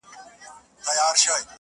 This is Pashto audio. چي دا پاته ولي داسي له اغیار یو؟؛